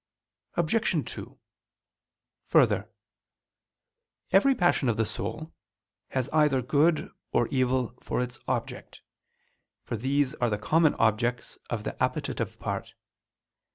Obj. 2: Further, every passion of the soul has either good or evil for its object; for these are the common objects of the appetitive part.